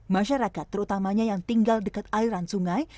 masyarakat terutamanya yang tinggal dekat aliran sungai